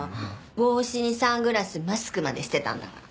帽子にサングラスマスクまでしてたんだから。